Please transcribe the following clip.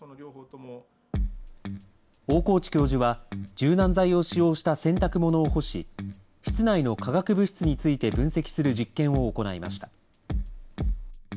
大河内教授は、柔軟剤を使用した洗濯物を干し、室内の化学物質について分析する実験を行いました。